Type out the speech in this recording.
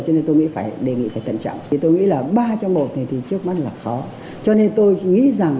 cho nên tôi nghĩ phải đề nghị phải tận trọng